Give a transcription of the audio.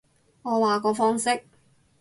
我話個方式